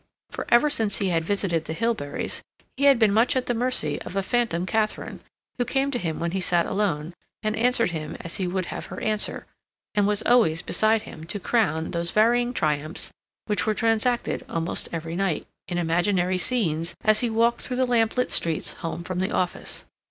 For ever since he had visited the Hilberys he had been much at the mercy of a phantom Katharine, who came to him when he sat alone, and answered him as he would have her answer, and was always beside him to crown those varying triumphs which were transacted almost every night, in imaginary scenes, as he walked through the lamplit streets home from the office.